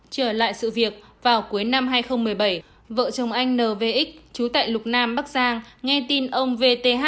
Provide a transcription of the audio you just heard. trở lại sự việc vào cuối năm hai nghìn một mươi bảy vợ chồng anh nvx trú tại lục nam bắc giang nghe tin ông vth